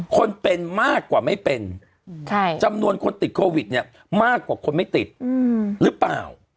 คนเป็นมากกว่าไม่เป็นจำนวนคนติดโควิดเนี่ยมากกว่าคนไม่ติดหรือเปล่า